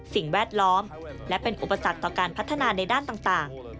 สิ่งแวดล้อมและเป็นอุปสรรคต่อการพัฒนาในด้านต่าง